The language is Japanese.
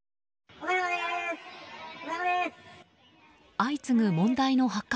相次ぐ問題の発覚